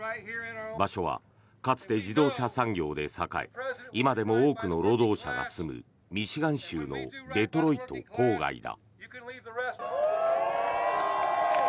場所は、かつて自動車産業で栄え今でも多くの労働者が住むミシガン州のデトロイト郊外だ。